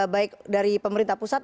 baik dari pemerintah pusat